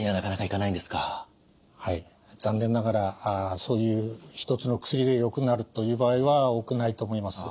残念ながらそういう一つの薬でよくなるという場合は多くないと思います。